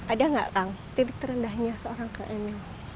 ada nggak kang titik terendahnya seorang kak emil